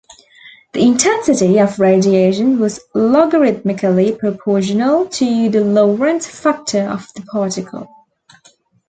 The intensity of radiation was logarithmically proportional to the Lorentz factor of the particle.